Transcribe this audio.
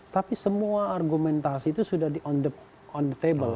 tapi semua argumentasi itu sudah di on the table